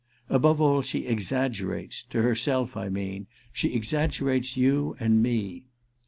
Above all she exaggerates—to herself, I mean. She exaggerates you and me!"